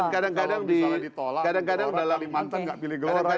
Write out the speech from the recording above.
kalau misalnya ditolak orang dari kalimantan gak pilih gelora itu